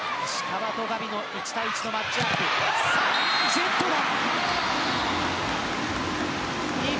ジェットだ。